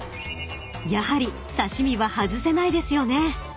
［やはり刺し身は外せないですよね］